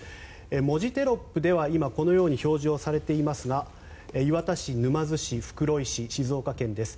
文字テロップでは今、このように表示をされていますが磐田市、沼津市、袋井市静岡県です。